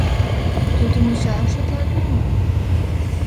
Тудым йочалан шотлат мо?